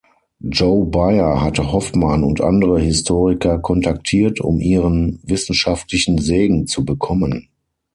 Jo Baier hatte Hoffmann und andere Historiker kontaktiert, um ihren wissenschaftlichen Segen zu bekommen.